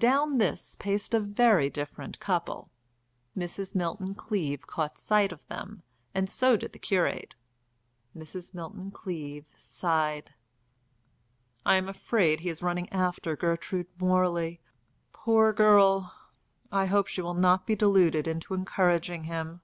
Down this paced a very different couple. Mrs. Milton Cleave caught sight of them, and so did curate. Mrs. Milton Cleave sighed. "I am afraid he is running after Gertrude Morley! Poor girl! I hope she will not be deluded into encouraging him."